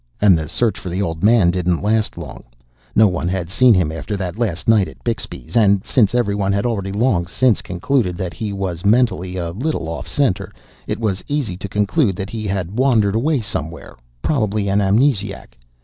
And the search for the old man didn't last long; no one had seen him after that last night at Bixby's, and, since everyone had already long since concluded that he was mentally a little off center, it was easy to conclude that he had wandered away somewhere, probably an amnesiac.